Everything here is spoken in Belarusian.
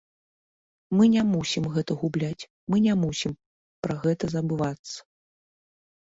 Мы не мусім гэта губляць, мы не мусім пра гэта забывацца.